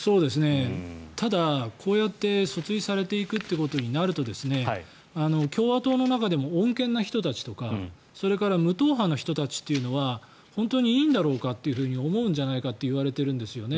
ただ、こうやって訴追されていくということになると共和党の中でも穏健な人たちとかそれから無党派の人たちというのは本当にいいんだろうかと思うんじゃないかといわれているんですね。